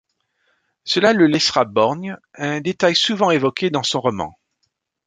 Cela le laissera borgne, un détail souvent évoqué dans son roman.